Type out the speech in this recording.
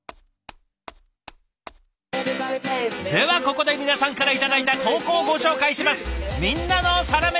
ではここで皆さんから頂いた投稿をご紹介します。